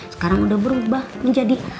sekarang udah berubah menjadi